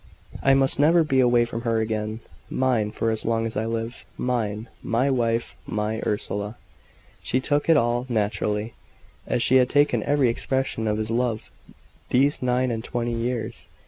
"I must never be away from her again. Mine for as long as I live, mine MY wife, MY Ursula!" She took it all naturally, as she had taken every expression of his love these nine and twenty years.